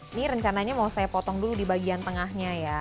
ini rencananya mau saya potong dulu di bagian tengahnya ya